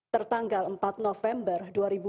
tertanggal empat november dua ribu dua puluh